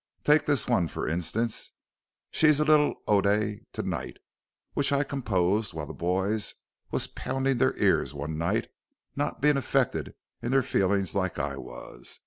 Take this one, for instance. She's a little oday to 'Night,' which I composed while the boys was poundin' their ears one night not bein' affected in their feelin's like I was.